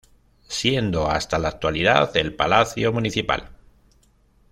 Siendo hasta la actualidad el Palacio Municipal.